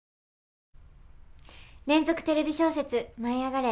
連続テレビ小説「舞いあがれ！」